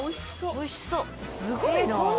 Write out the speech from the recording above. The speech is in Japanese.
おいしそうすごいな。